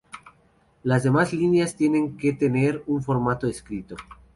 Las demás líneas tienen que tener un formato estricto.